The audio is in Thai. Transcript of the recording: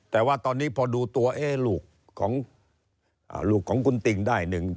แต่ว่าตอนนี้พอดูตัวลูกของลูกของคุณติ่งได้หนึ่ง